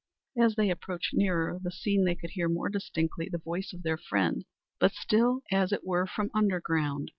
As they approached nearer the scene they could hear more distinctly the voice of their friend, but still as it were from underground.